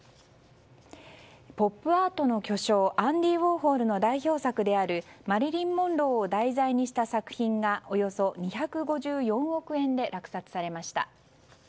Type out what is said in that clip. ポップアートの巨匠アンディ・ウォーホルの代表作であるマリリン・モンローを題材にした作品がおよそ２５４億円で落札されました。